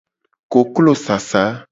Koklosasa.